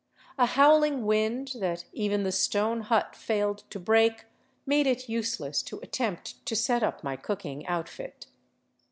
A howling wind that even the stone hut failed to break made it useless to attempt to set up my cooking outfit.